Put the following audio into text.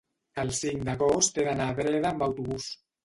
el cinc d'agost he d'anar a Breda amb autobús.